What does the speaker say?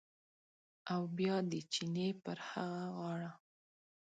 او بیا د چینې پر هغه غاړه